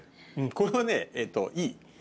これはねいい。